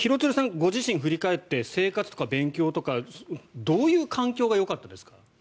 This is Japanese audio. ご自身、振り返って生活とか勉強とかどういう環境がよかったですか？